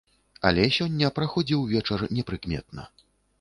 Але сёння праходзіў вечар непрыкметна.